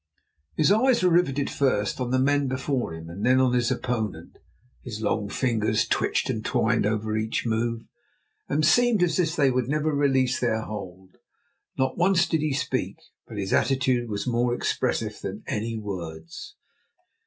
His eyes were riveted first on the men before him and then on his opponent his long fingers twitched and twined over each move, and seemed as if they would never release their hold. Not once did he speak, but his attitude was more expressive than any words.